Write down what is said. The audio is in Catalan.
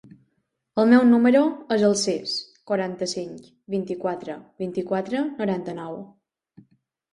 El meu número es el sis, quaranta-cinc, vint-i-quatre, vint-i-quatre, noranta-nou.